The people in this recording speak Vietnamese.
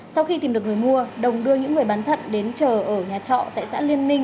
sau khi tìm được người mua đồng đưa những người bán thận đến chờ ở nhà trọ tại xã liên minh